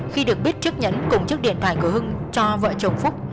khi được biết chiếc nhẫn cùng chiếc điện thoại của hưng cho vợ chồng phúc